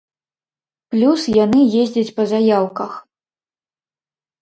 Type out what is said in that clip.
Плюс, яны ездзяць па заяўках.